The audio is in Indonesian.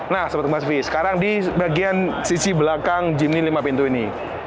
nah sahabat kompastv sekarang di bagian sisi belakang jimny lima pintu ini